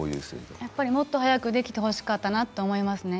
やっぱりもっと早くできてほしかったなと思いますね。